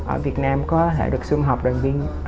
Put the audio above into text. ở việt nam có thể được xung họp đoàn viên